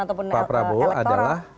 ataupun elektorat pak prabowo adalah